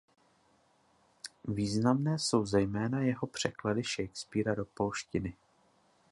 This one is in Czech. Významné jsou zejména jeho překlady Shakespeara do polštiny.